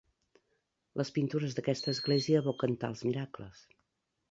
Les pintures d'aquesta església evoquen tals miracles.